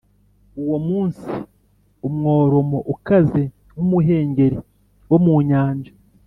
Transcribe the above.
Uwo munsi, umworomo ukaze nk’umuhengeri wo mu nyanja,